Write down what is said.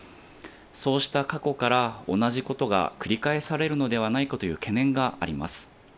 そうした過去から、同じことが繰り返されるのではないかという懸念があります。